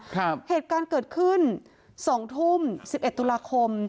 ครับเหตุการณ์เกิดขึ้น๒ทุ่ม๑๑ตุลาคม